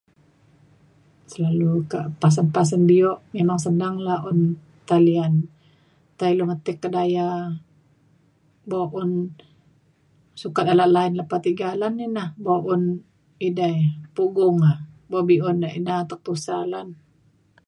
Selalu kak pasen pasen bio memang senang la un talian. Tai ilu metit kedaya buk un sukat alak line lepa tiga lan ne na. Buk un edei pugu na buk be’un re ida atek tusa lan.